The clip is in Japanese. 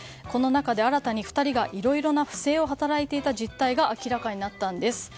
この中で新たに２人がいろいろな不正を働いていた実態が明らかになったんです。